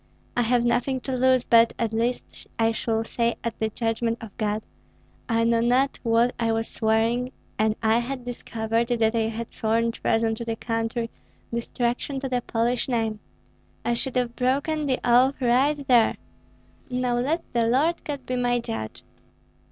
I have nothing to lose; but at least I shall say at the judgment of God: 'I knew not what I was swearing, and had I discovered that I had sworn treason to the country, destruction to the Polish name, I should have broken the oath right there.' Now let the Lord God be my judge."